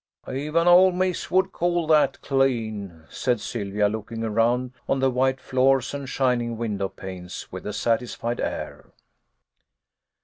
" Even ole Miss would call that clean," said Sylvia, looking around on the white floors and shining win dow panes with a satisfied air.